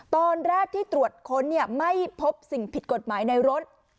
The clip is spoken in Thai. ตอนแรกที่ตรวจค้นไม่พบสิ่งผิดกฎหมายในรถ